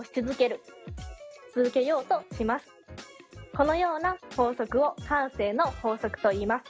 このような法則を慣性の法則といいます。